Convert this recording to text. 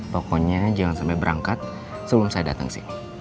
pokoknya jangan sampai berangkat sebelum saya datang sih